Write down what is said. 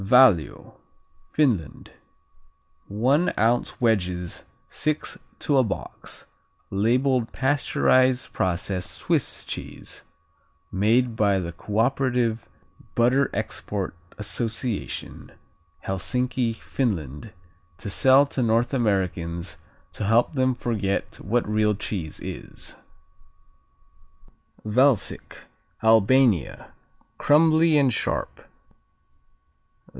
Valio Finland One ounce wedges, six to a box, labeled pasteurized process Swiss cheese, made by the Cooperative Butter Export Association, Helsinki, Finland, to sell to North Americans to help them forget what real cheese is. Valsic Albania Crumbly and sharp.